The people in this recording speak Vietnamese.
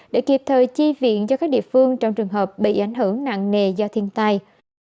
để kịp thời chi viện cho các địa phương trong trường hợp bị ảnh hưởng nặng nề do thiên tai